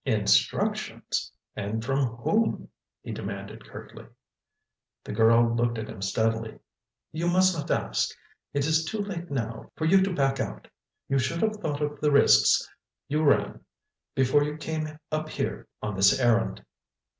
"Instructions! And from whom?" he demanded curtly. The girl looked at him steadily. "You must not ask. It is too late now for you to back out. You should have thought of the risks you ran before you came up here on this errand."